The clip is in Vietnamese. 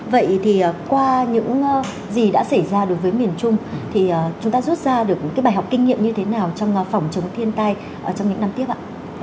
vậy thì qua những gì đã xảy ra đối với miền trung thì chúng ta rút ra được cái bài học kinh nghiệm như thế nào trong phòng chống thiên tai trong những năm tiếp ạ